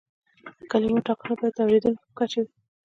د کلماتو ټاکنه باید د اوریدونکي په کچه وي.